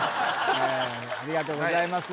ありがとうございます